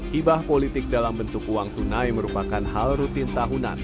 hibah politik dalam bentuk uang tunai merupakan hal rutin tahunan